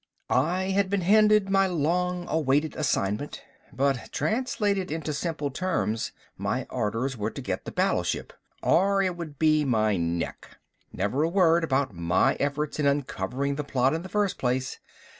I had been handed my long awaited assignment. But translated into simple terms my orders were to get the battleship, or it would be my neck. Never a word about my efforts in uncovering the plot in the first place.